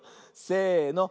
せの。